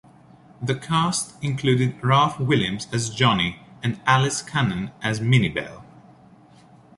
The cast included Ralph Williams as Johnny and Alice Cannon as Minny Belle.